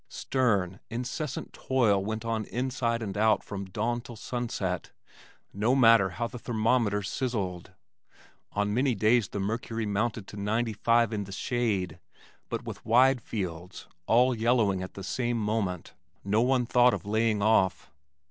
Stern, incessant toil went on inside and out from dawn till sunset, no matter how the thermometer sizzled. On many days the mercury mounted to ninety five in the shade, but with wide fields all yellowing at the same moment, no one thought of laying off.